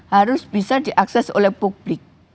harus bisa diakses oleh publik